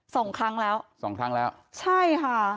สองครั้งแล้วสองครั้งแล้วใช่ค่ะ